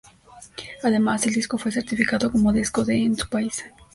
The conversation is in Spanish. Además, el disco fue certificado como Disco de en su país.